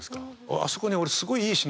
あそこに俺。